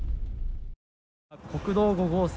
国道５号線